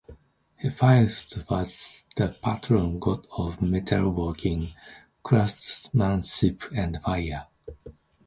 Hephaestus was the patron god of metal working, craftsmanship, and fire.